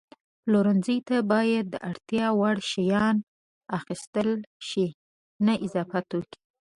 پلورنځي ته باید د اړتیا وړ شیان اخیستل شي، نه اضافي توکي.